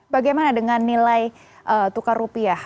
bagaimana dengan nilai tukar rupiah